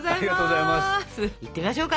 いってみましょうか？